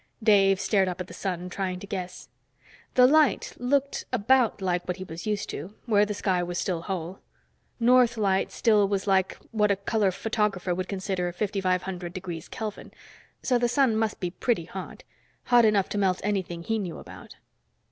Dave stared up at the sun, trying to guess. The light looked about like what he was used to, where the sky was still whole. North light still was like what a color photographer would consider 5500° Kelvin, so the sun must be pretty hot. Hot enough to melt anything he knew about.